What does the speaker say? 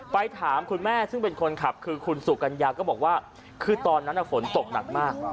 ไปถามคุณแม่ซึ่งเป็นคนขับคือคุณสุกัญญาก็บอกว่าคือตอนนั้นฝนตกหนักมาก